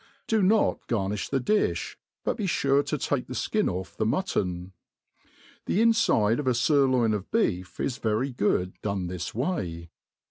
Do not garni& the difli, but be fufe to fake the flcin off the mutton. The infide of a furloin of beef is very good done this way.